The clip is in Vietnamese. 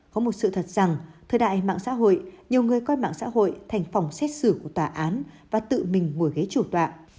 có một sự thật rằng thời đại mạng xã hội nhiều người coi mạng xã hội thành phòng xét xử của tòa án và tự mình ngồi ghế chủ tọa